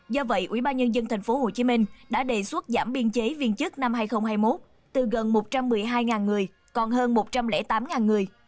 do vậy ủy ban nhân dân tp hcm đã đề xuất giảm biên chế viên chức năm hai nghìn hai mươi một từ gần một trăm một mươi hai người còn hơn một trăm linh tám người